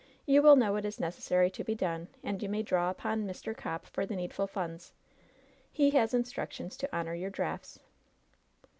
You will know what is necessary to be done, and you may draw on Mr. Copp for the needful funds. He has in structions to honor your drafts.